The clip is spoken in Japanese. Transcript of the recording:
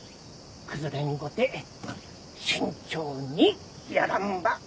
崩れんごて慎重にやらんば。